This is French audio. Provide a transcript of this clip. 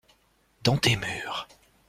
Dans tes murs.